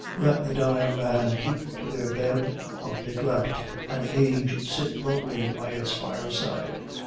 Let the dying keep to their bed of neglect, and age sit lonely by its fireside.